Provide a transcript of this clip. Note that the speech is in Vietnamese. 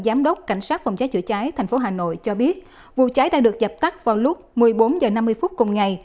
giám đốc cảnh sát phòng trái chữa trái thành phố hà nội cho biết vụ trái đang được dập tắt vào lúc một mươi bốn h năm mươi cùng ngày